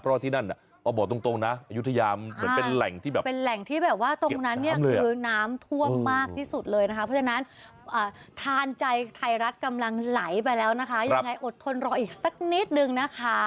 เพราะฉะนั้นทานใจไทยรัฐกำลังหลายไปแล้วนะคะยังไงอดทนรออีกสักนิดนึงนะคะ